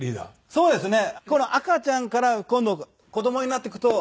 そうですね。